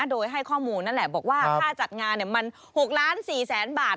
โดยให้ข้อมูลนั่นแหละบอกว่าค่าจัดงานมัน๖ล้าน๔แสนบาท